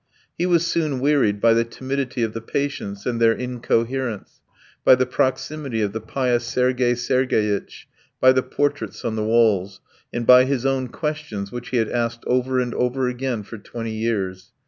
He was soon wearied by the timidity of the patients and their incoherence, by the proximity of the pious Sergey Sergeyitch, by the portraits on the walls, and by his own questions which he had asked over and over again for twenty years.